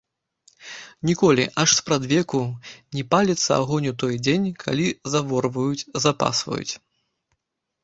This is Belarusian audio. Ніколі, аж спрадвеку, не паліцца агонь у той дзень, калі заворваюць, запасваюць.